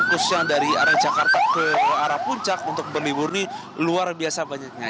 khususnya dari arah jakarta ke arah puncak untuk berlibur ini luar biasa banyaknya